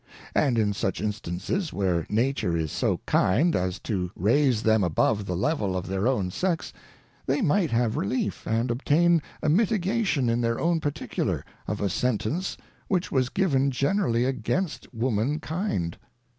And in such instances where Nature is so kind, as to raise them above the level of their own Sex, they might have Relief, and obtain a Mitigation in their own particular, of a Sentence which was given generally against Woman kind.